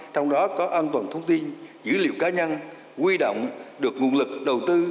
trong đó có an toàn thông tin dữ liệu cá nhân quy động được nguồn lực đầu tư